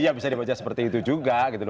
iya bisa dibaca seperti itu juga gitu